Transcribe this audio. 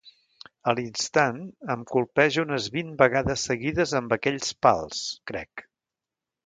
A l’instant, em colpeja unes vint vegades seguides amb aquells pals, crec.